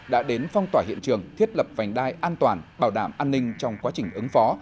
đã đến phong tỏa hiện trường thiết lập vành đai an toàn bảo đảm an ninh trong quá trình ứng phó